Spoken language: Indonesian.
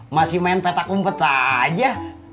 masih main petak umpet aja